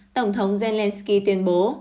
tổng thống zelensky tuyên bố